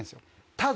ただ。